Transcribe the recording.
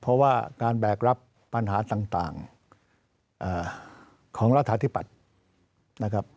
เพราะว่าการแบกรับปัญหาต่างของรัฐาธิปัตย์นะครับ